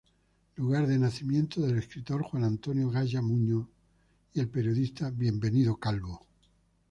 Lugar de nacimiento del escritor Juan Antonio Gaya Nuño y el periodista Bienvenido Calvo.